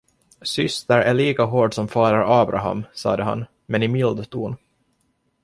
Syster är lika hård som fader Abraham sade han, men i mild ton.